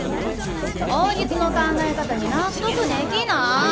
法律の考え方に納得できない！